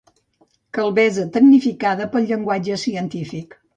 Calbesa tecnificada pel llenguatge científic.